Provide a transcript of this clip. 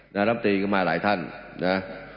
น้ำตรีก็มาหลายท่านนะ